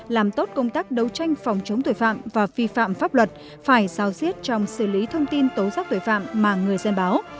làm tốt công tác đấu tranh phòng chống tội phạm và vi phạm pháp luật phải giao diết trong xử lý thông tin tố giác tội phạm mà người dân báo